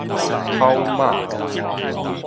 跑馬